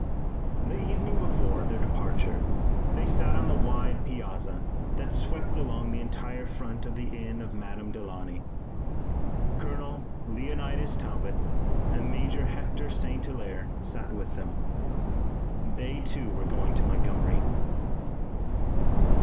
The evening before their departure they sat on the wide piazza that swept along the entire front of the inn of Madame Delaunay. Colonel Leonidas Talbot and Major Hector St. Hilaire sat with them. They, too, were going to Montgomery.